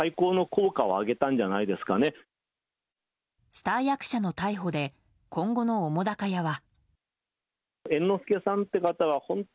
スター役者の逮捕で今後の澤瀉屋は。